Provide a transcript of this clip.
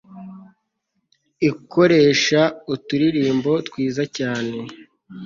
ikoresha uturirimbo twiza cyane